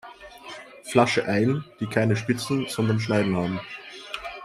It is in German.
Flasche ein, die keine Spitzen, sondern Schneiden haben.